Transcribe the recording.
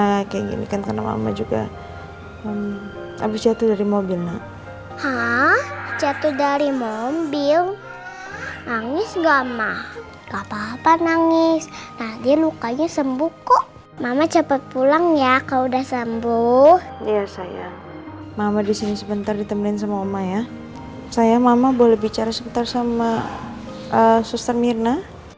baik baik aja mama kayak gini kan karena mama juga habis jatuh dari mobil hah jatuh dari mobil nangis nggak ma nggak papa nangis nah dia lukanya sembuh kok mama cepet pulang ya kau udah sembuh ya sayang mama disini sebentar ditemuin sama omaya sayang mama boleh bicara sebentar sama suster mirna